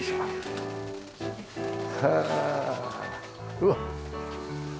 うわっ。